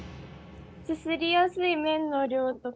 すすりやすい麺の量とか。